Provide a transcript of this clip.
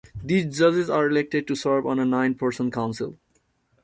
These judges are elected to serve on a nine-person council.